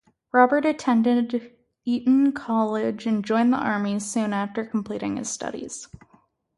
Roberts attended Eton College and joined the army soon after completing his studies.